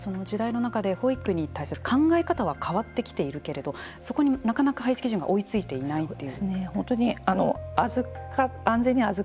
中で保育に対する考え方は変わってきているけれどそこになかなか配置基準が追いついていないという。